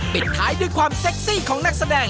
ปิดท้ายด้วยความเซ็กซี่ของนักแสดง